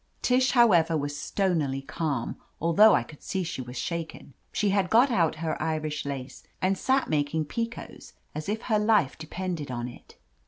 Tish, however, was stonily calm, although I could see she was shaken. She had got out her Irish lace, and sat making picots as if her life depended on it.